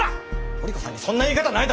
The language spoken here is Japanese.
織子さんにそんな言い方ないだろ。